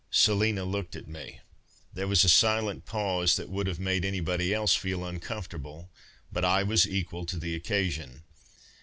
Selina looked at me. There was a silent pause that would have made anybody else feel uncomfortable, but I was equal to the occasion.